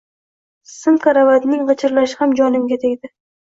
Sim karavotning g`ichirlashi ham jonimga tegdi